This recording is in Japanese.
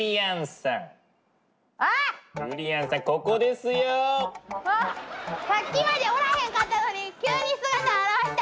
さっきまでおらへんかったのに急に姿現した。